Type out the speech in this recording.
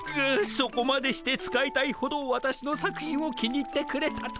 そこまでして使いたいほどわたしの作品を気に入ってくれたとは。